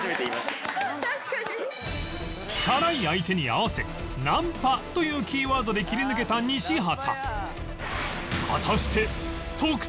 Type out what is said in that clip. チャラい相手に合わせ「ナンパ」というキーワードで切り抜けた西畑